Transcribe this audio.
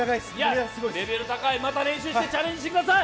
レベル高い、また練習してチャレンジしてください。